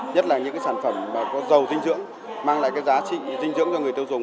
nhất là những sản phẩm có dầu dinh dưỡng mang lại cái giá trị dinh dưỡng cho người tiêu dùng